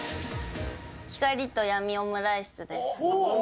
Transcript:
光とやみオムライスです。